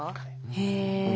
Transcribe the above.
へえ。